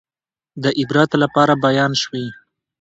د عبرت لپاره بیان شوي.